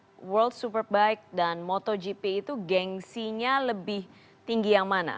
antara world superbike dan motogp itu gengsi nya lebih tinggi yang mana